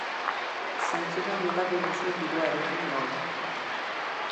Zentzudun jokatuko duzu diruarekin gaur.